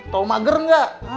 tau mager gak